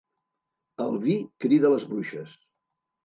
El vi crida les bruixes.